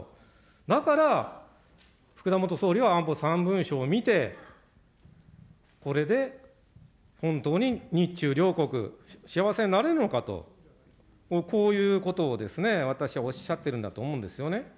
だから福田元総理は安保３文書を見て、これで本当に日中両国幸せになれるのかと、こういうことをですね、私はおっしゃってるんだと思うんですよね。